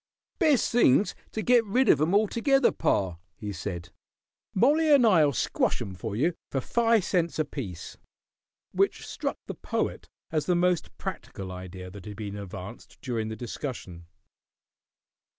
"Best thing's to get rid of 'em altogether, pa," he said. "Mollie and I'll squash 'em for you for fi' cents apiece." Which struck the Poet as the most practical idea that had been advanced during the discussion.